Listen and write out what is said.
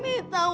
minta mau pulang